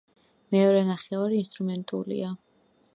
მეორე ნახევარი ინსტრუმენტულია.